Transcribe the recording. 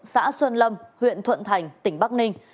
xã xuân lâm huyện thuận thành tỉnh bắc ninh